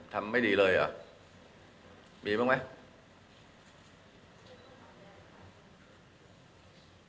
ไม่ดีเลยเหรอมีบ้างไหม